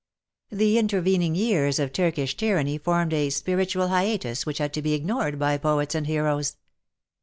The intervening years of Turkish tyranny formed a spiritual hiatus which had to be ignored by poets and heroes.